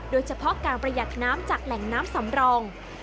โดยเฉพาะการประหยัดน้ำจากแหล่งน้ำสำรอง